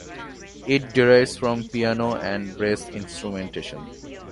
It derives from piano and brass instrumentation.